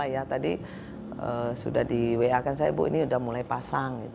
jadi sudah di wa kan saya ini sudah mulai pasang